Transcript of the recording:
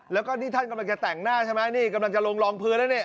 แล้วก็นี่ท่านกำลังจะแต่งหน้าใช่ไหมนี่กำลังจะลงรองพื้นแล้วนี่